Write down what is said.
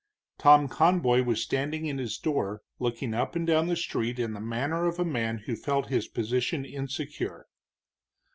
Tom Conboy was standing in his door, looking up and down the street in the manner of a man who felt his position insecure.